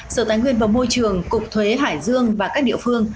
sở tài nguyên và môi trường cục thuế hải dương và các địa phương